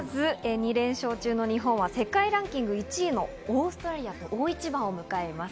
日本は世界ランキング１位のオーストラリアと大一番を迎えます。